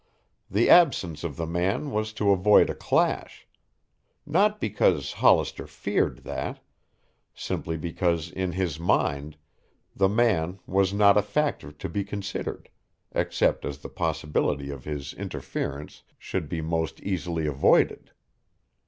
The absence of the man was to avoid a clash: not because Hollister feared that; simply because in his mind the man was not a factor to be considered, except as the possibility of his interference should be most easily avoided.